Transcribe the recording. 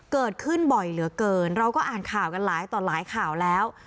เกิดขึ้นบ่อยเหลือเกินเราก็อ่านข่าวกันหลายต่อหลายข่าวแล้ว